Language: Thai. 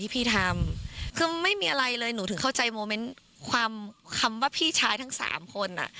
เพราะว่าพี่ชายทั้ง๓คน